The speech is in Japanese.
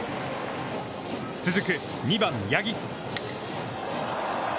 続く、２番八木。